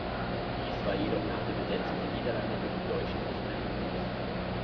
Dies war jedoch nach der Besetzung der Niederlande durch die Deutschen nicht mehr möglich.